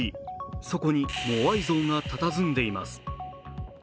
そこにモアイ像がたたずんでいます。